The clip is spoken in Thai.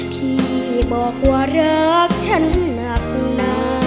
ที่บอกว่ารักฉันมากน้อย